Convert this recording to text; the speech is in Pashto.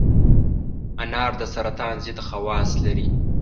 انار د سرطان ضد خواص لري.